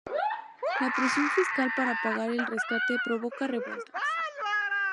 La presión fiscal para pagar el rescate provoca revueltas.